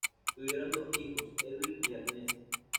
Tuvieron dos hijos, Edwin y Ernest.